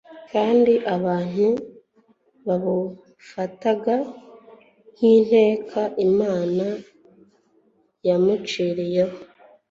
kandi abantu babufataga nk’iteka Imana yamuciriyeho.